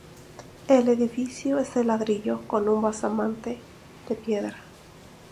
El edificio es de ladrillo, con un basamento de piedra.